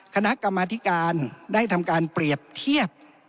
คณะกรรมธิการได้ทำการเปรียบเทียบ